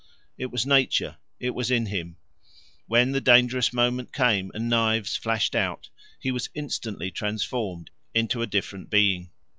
It was nature: it was in him. When the dangerous moment came and knives flashed out, he was instantly transformed into a different being.